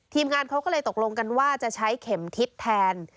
งานเขาก็เลยตกลงกันว่าจะใช้เข็มทิศแทน